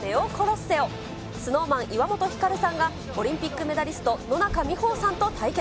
スノーマン・岩本照さんがオリンピックメダリスト、野中生萌さんと対決。